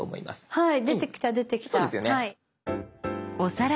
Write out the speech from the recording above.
はい。